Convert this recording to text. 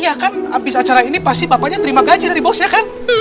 iya kan abis acara ini pasti bapaknya terima gaji dari bosnya kan